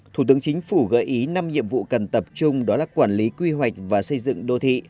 thủ tướng chính phủ gợi ý năm nhiệm vụ cần tập trung đó là quản lý quy hoạch và xây dựng đô thị